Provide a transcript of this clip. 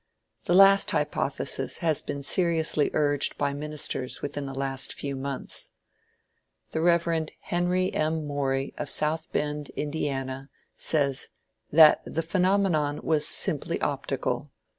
The last hypothesis has been seriously urged by ministers within the last few months. The Rev. Henry M. Morey of South Bend, Indiana, says "that the phenomenon was simply optical.